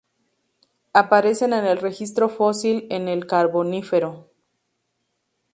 Aparecen en el registro fósil en el Carbonífero.